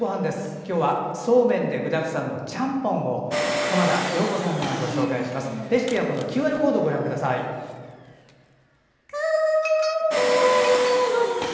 今日はそうめんで具だくさんのちゃんぽんを浜田陽子さんがご紹介します。